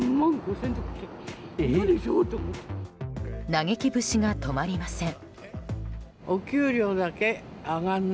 嘆き節が止まりません。